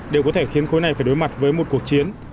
đều có thể khiến khối này phải đối mặt với một cuộc chiến